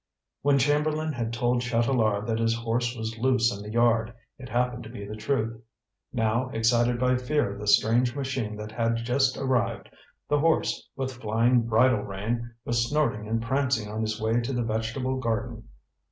When Chamberlain had told Chatelard that his horse was loose in the yard, it happened to be the truth; now, excited by fear of the strange machine that had just arrived, the horse, with flying bridle rein, was snorting and prancing on his way to the vegetable garden.